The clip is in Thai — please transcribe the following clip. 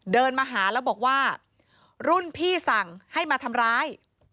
เดินมาหาแล้วบอกว่ารุ่นพี่สั่งให้มาทำร้าย